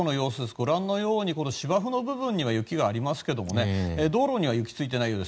ご覧のように芝生の部分には雪がありますけれども道路には雪がついてないようです。